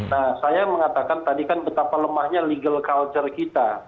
nah saya mengatakan tadi kan betapa lemahnya legal culture kita